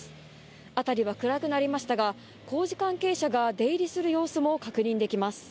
辺りは暗くなりましたが工事関係者が出入りする様子も確認できます。